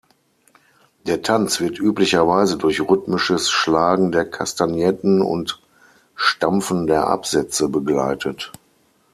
Der Tanz wird üblicherweise durch rhythmisches Schlagen der Kastagnetten und Stampfen der Absätze begleitet.